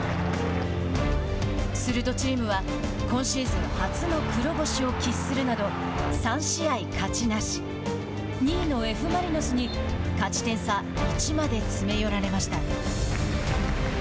するとチームは今シーズン初の黒星を喫するなど３試合勝ちなし２位のＦ・マリノスに勝ち点差１まで詰め寄られました。